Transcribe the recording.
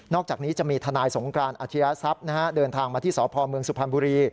อกจากนี้จะมีทนายสงกรานอาชญาทรัพย์เดินทางมาที่สพเมืองสุพรรณบุรี